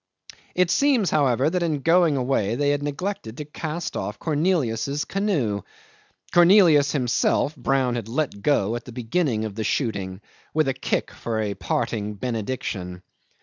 'It seems, however, that in going away they had neglected to cast off Cornelius's canoe. Cornelius himself Brown had let go at the beginning of the shooting, with a kick for a parting benediction.